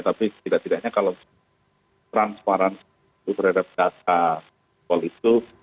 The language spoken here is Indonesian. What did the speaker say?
tapi tidak tidaknya kalau transparansi itu terhadap data pol itu